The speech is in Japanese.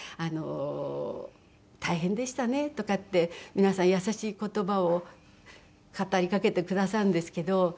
「大変でしたね」とかって皆さん優しい言葉を語りかけてくださるんですけど。